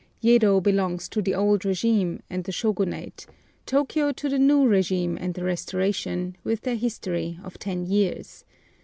Yedo belongs to the old régime and the Shôgunate, Tôkiyô to the new régime and the Restoration, with their history of ten years.